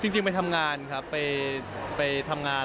จริงไปทำงานครับไปทำงาน